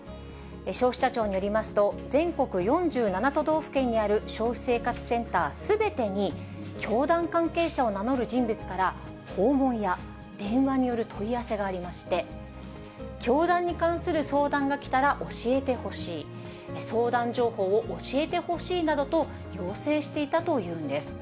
消費者庁によりますと、全国４７都道府県にある消費者生活センターすべてに、教団関係者を名乗る人物から、訪問や電話による問い合わせがありまして、教団に関する相談が来たら教えてほしい、相談情報を教えてほしいなどと、要請していたというんです。